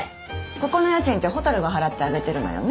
ここの家賃って蛍が払ってあげてるのよね？